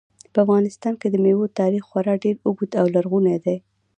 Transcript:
په افغانستان کې د مېوو تاریخ خورا ډېر اوږد او لرغونی دی.